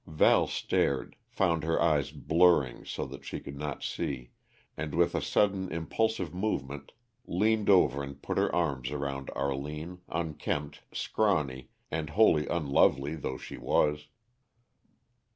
Val stared, found her eyes blurring so that she could not see, and with a sudden, impulsive movement leaned over and put her arms around Arline, unkempt, scrawny, and wholly unlovely though she was.